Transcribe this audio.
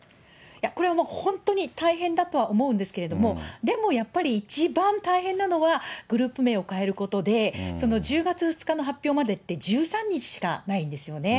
これは本当に大変だとは思うんですけれども、でもやっぱり、一番大変なのはグループ名を変えることでその１０月２日の発表までって１３日しかないんですよね。